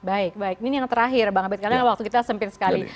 baik baik ini yang terakhir bang abed karena waktu kita sempit sekali